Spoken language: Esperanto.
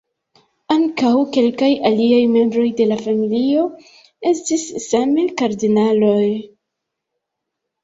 Ankaŭ kelkaj aliaj membroj de la familio estis same kardinaloj.